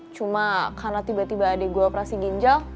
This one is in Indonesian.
cuma karena tiba tiba adik gue operasi ginjal